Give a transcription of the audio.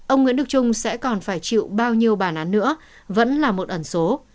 ông nguyễn đức trung sẽ còn phải chịu bao nhiêu bản án nữa vẫn là một ẩn số